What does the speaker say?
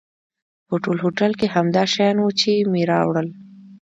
په ټول هوټل کې همدا شیان و چې مې راوړل.